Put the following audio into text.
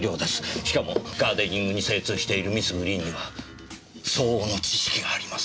しかもガーデニングに精通しているミス・グリーンには相応の知識があります。